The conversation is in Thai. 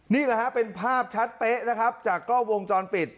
นี่แหละฮะเป็นภาพชัดเป๊ะนะครับจากกล้องวงจรปิด